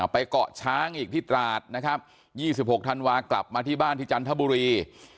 เกาะช้างอีกที่ตราดนะครับ๒๖ธันวากลับมาที่บ้านที่จันทบุรี